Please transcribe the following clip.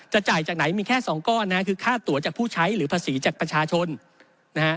จ่ายจากไหนมีแค่สองก้อนนะฮะคือค่าตัวจากผู้ใช้หรือภาษีจากประชาชนนะฮะ